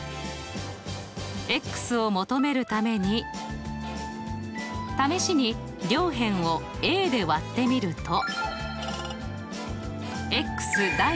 を求めるために試しに両辺をで割ってみると。